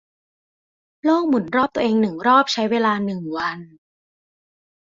โลกหมุนรอบตัวเองหนึ่งรอบใช้เวลาหนึ่งวัน